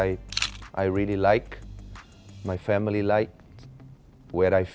เพราะนี่เป็นเมืองที่ขอรับครอบครัวนัก